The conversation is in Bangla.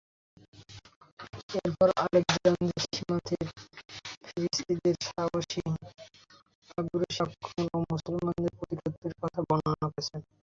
এরপর আলেকজান্দ্রিয়া সীমান্তে ফিরিঙ্গীদের আগ্রাসী আক্রমণ এবং মুসলমানদের প্রতিরোধের কথা বর্ণনা করেছেন।